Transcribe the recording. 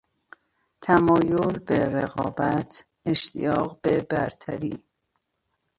تمایل به رقابت، اشتیاق به برتری